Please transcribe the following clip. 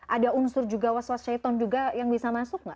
ada unsur juga was wasyaiton juga yang bisa masuk nggak